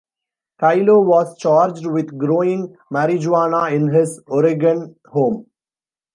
Kyllo was charged with growing marijuana in his Oregon home.